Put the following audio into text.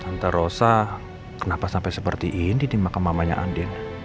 tante rosa kenapa sampai seperti ini di makamamanya andien